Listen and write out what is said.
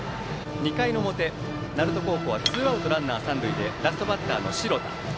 ２回の表、鳴門高校はツーアウトランナー、三塁でラストバッターの城田。